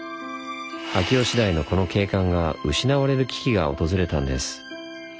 秋吉台のこの景観が失われる危機が訪れたんです。